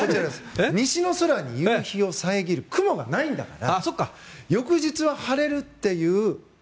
西の空に夕日を遮る雲がないため翌日は晴れるっていう。